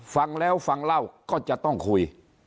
ฟังแล้วฟังเล่าก็จะต้องคุย